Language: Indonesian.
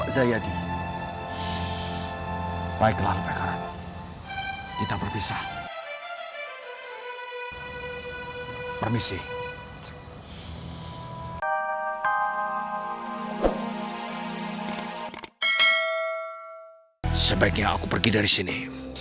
sebaiknya aku pergi dari sini